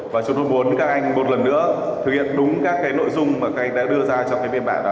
và chúng tôi muốn các anh một lần nữa thực hiện đúng các cái nội dung mà các anh đã đưa ra trong cái biên bản